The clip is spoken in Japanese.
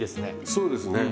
そうですね。